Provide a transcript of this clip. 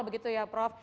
begitu ya prof